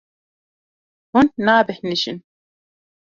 Hûn nabêhnijin.